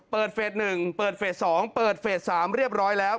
เฟส๑เปิดเฟส๒เปิดเฟส๓เรียบร้อยแล้ว